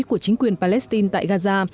của chính quyền palestine tại gaza